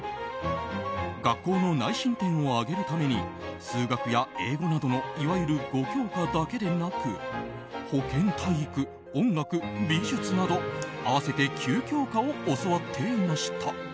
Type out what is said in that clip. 学校の内申点を上げるために数学や英語などのいわゆる５教科だけでなく保健体育、音楽、美術など合わせて９教科を教わっていました。